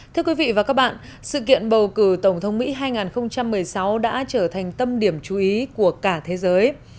thưa quý vị và các bạn sự kiện bầu cử tổng thống mỹ hai nghìn một mươi sáu đã trở thành tâm điểm chú ý của cả thế giới